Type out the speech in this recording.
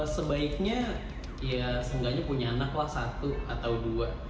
sebaiknya ya seenggaknya punya anak lah satu atau dua